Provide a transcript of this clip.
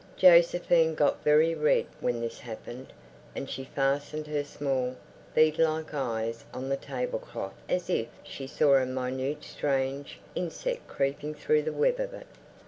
Josephine got very red when this happened, and she fastened her small, bead like eyes on the tablecloth as if she saw a minute strange insect creeping through the web of it.